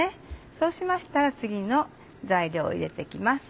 そうしましたら次の材料を入れていきます。